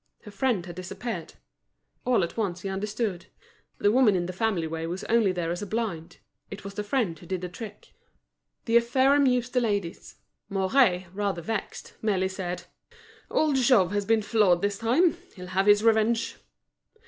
Her friend had disappeared. All at once he understood: the woman in the family way was only there as a blind; it was the friend who did the trick. This affair amused the ladies. Mouret, rather vexed, merely said: "Old Jouve has been floored this time. He'll have his revenge."